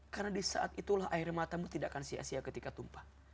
karena di saat itulah air matamu tidak akan sia sia ketika tumpah